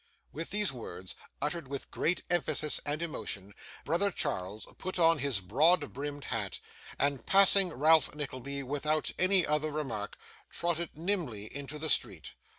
With these words, uttered with great emphasis and emotion, brother Charles put on his broad brimmed hat, and, passing Ralph Nickleby without any other remark, trotted nimbly into the street.